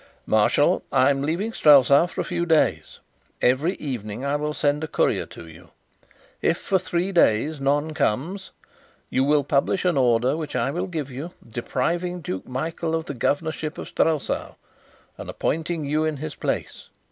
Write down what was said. "Marshal, I'm leaving Strelsau for a few days. Every evening I will send a courier to you. If for three days none comes, you will publish an order which I will give you, depriving Duke Michael of the governorship of Strelsau and appointing you in his place.